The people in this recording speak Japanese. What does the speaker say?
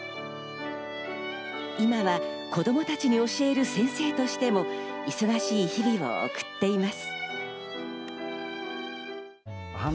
今は子供たちに教える先生としても忙しい日々を送っています。